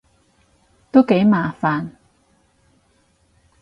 都幾麻煩